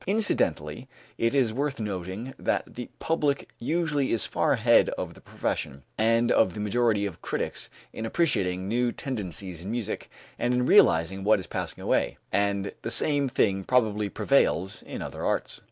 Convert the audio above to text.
Incidentally it is worth noting that the public usually is far ahead of the profession and of the majority of critics in appreciating new tendencies in music and in realizing what is passing away; and the same thing probably prevails in other arts.